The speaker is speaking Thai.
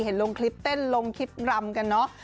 เห็นลงคลิปเต้นลงคลิปรำกันเนอะ